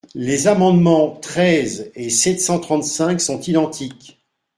Les amendements numéros treize et sept cent trente-cinq sont identiques.